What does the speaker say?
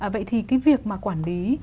vậy thì cái việc mà quản lý